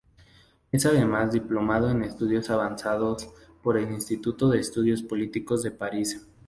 Es además diplomado en estudios avanzados por el Instituto de Estudios Políticos de París.